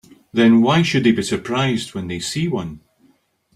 Then why should they be surprised when they see one?